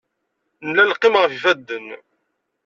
Nella neqqim ɣef yifadden.